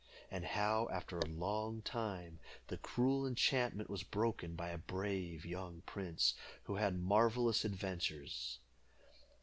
And how, after a long time, the cruel enchantment was broken by a brave young prince, who had marvelous adventures.